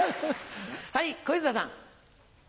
はい小遊三さん。